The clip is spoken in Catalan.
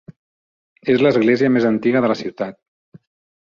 És l'església més antiga de la ciutat.